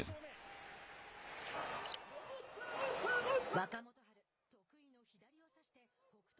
若元春得意の左を差して北勝